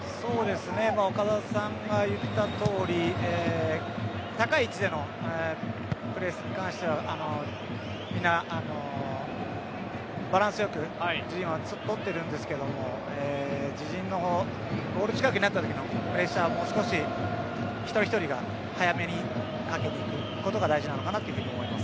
岡田さんが言ったとおり高い位置でのプレスに関してはみんなバランスよく取っているんですけど自陣のゴール近くになったときのプレッシャーを少し一人一人が早めにかけていくことが大事なのかなというふうに思います。